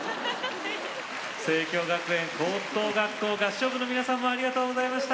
清教学園高等学校合唱部の皆さんもありがとうございました。